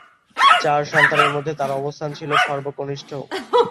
চার সন্তানের মধ্যে তার অবস্থান ছিল সর্বকনিষ্ঠ।